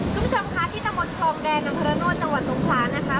คุณผู้ชมค่ะที่ตำบลคลองแดงอำเภอระโนธจังหวัดสงขลานะคะ